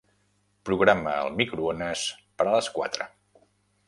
Programa el microones per a les quatre.